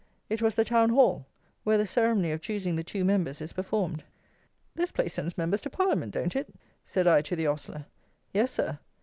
It was the Town Hall, where the ceremony of choosing the two Members is performed. "This place sends Members to Parliament, don't it?" said I to the ostler. "Yes, Sir."